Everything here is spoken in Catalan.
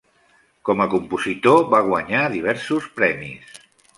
Com a compositor va guanyar diversos premis.